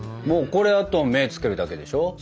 もうこれはあと目をつけるだけでしょ？